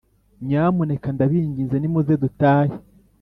nyamuneka ndabinginze nimuze dutahe.